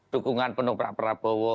dukungan penuh pak prabowo